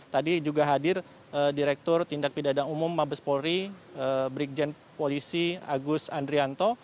tadi juga hadir direktur tindak pidana umum mabes polri brigjen polisi agus andrianto